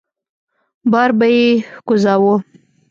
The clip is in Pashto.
بار به يې کوزاوه.